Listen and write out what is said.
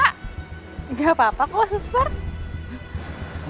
tidak apa apa kok si sport